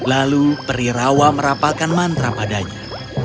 lalu peri rawa merapalkan mantra padanya